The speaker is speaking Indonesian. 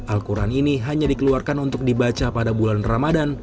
al quran ini hanya dikeluarkan untuk dibaca pada bulan ramadan